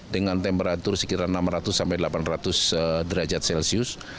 dengan temperatur sekitar enam ratus sampai delapan ratus derajat celcius